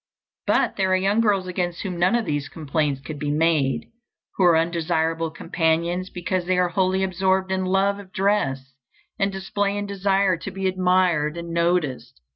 But there are young girls against whom none of these complaints could be made, who are undesirable companions because they are wholly absorbed in love of dress and display and desire to be admired and noticed.